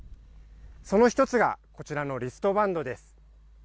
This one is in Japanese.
その一つがこちらのリストバンドです。